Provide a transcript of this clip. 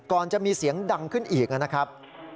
จะมีเสียงดังขึ้นอีกนะครับ